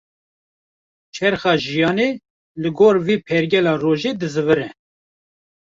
Çerxa jiyanê, li gor vê pergala rojê dizîvire